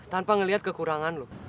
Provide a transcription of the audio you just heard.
tanpa ngeliat kekurangan lo